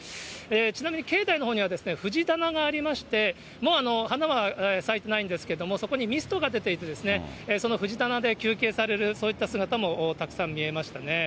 ちなみに境内のほうには、藤棚がありまして、もう花は咲いてないんですけども、そこにミストが出ていてですね、その藤棚で休憩される、そういった姿もたくさん見えましたね。